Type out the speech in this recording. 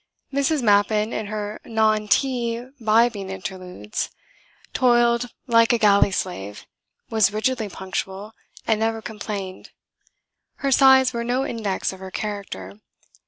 Mrs. Mappin, in her non tea bibbing interludes, toiled like a galley slave, was rigidly punctual, and never complained. Her sighs were no index of her character.